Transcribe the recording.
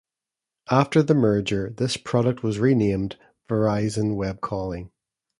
After the merger, this product was renamed "Verizon Web Calling".